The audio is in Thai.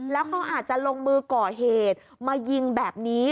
แล้วเขาอาจจะลงมือก่อเหตุมายิงแบบนี้